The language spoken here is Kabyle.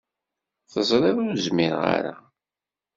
Teẓriḍ ur zmireɣ ara.